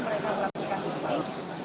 mereka melakukan bukti